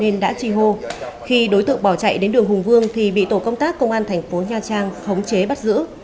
nên đã chi hô khi đối tượng bỏ chạy đến đường hùng vương thì bị tổ công tác công an thành phố nha trang khống chế bắt giữ